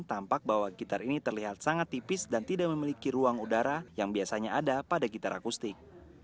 tampak bahwa gitar ini terlihat sangat tipis dan tidak memiliki ruang udara yang biasanya ada pada gitar akustik